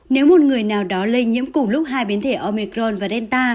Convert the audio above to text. nếu một người nào đó lây nhiễm cùng lúc hai biến thể omicron và delta